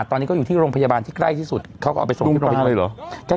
ตอนนี้ก็อยู่ที่โรงพยาบาลที่ใกล้ที่สุดเขาก็เอาไปส่งที่โรงพยาบาลเหรอ